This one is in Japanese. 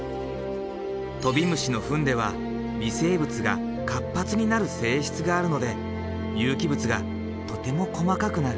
トビムシの糞では微生物が活発になる性質があるので有機物がとても細かくなる。